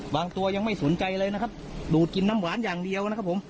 ตัวยังไม่สนใจเลยนะครับดูดกินน้ำหวานอย่างเดียวนะครับผม